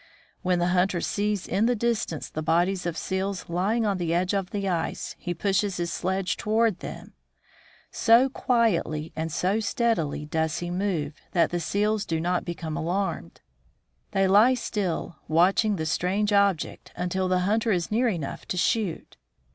When the hunter sees in the distance the bodies of seals lying on the edge of the ice, he pushes his sledge toward A Herd of Seals. them. So quietly and so steadily does he move, that the seals do not become alarmed. They lie still, watch ing the strange object, until the hunter is near enough to shoot.